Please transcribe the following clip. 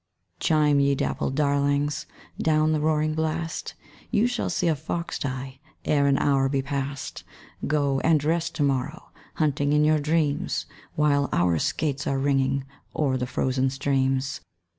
Chime, ye dappled darlings, Down the roaring blast; You shall see a fox die Ere an hour be past. Go! and rest to morrow, Hunting in your dreams, While our skates are ringing O'er the frozen streams.